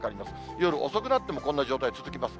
夜遅くなってもこんな状態続きます。